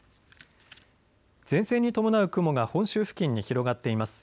前線に伴う雲が本州付近に広がっています。